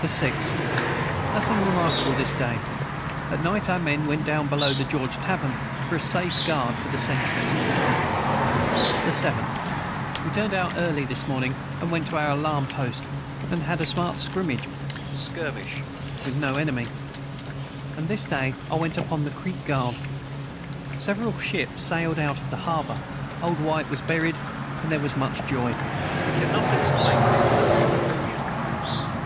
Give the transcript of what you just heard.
the 6. Nothing remarkable this day at Night our men went down below the george tavern for a safe guard for the centrys. the 7. We turned out early this morning and went to our alarm post and had a smart scrimmage with no enemy and this day I went upon the creek guard several Ships sailed out of the harbour old White was buried and their was much joy. [Footnote 153: Skirmish.] [Footnote 154: We can not explain this local allusion.